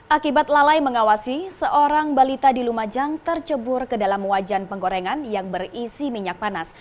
akibat lalai mengawasi seorang balita di lumajang tercebur ke dalam wajan penggorengan yang berisi minyak panas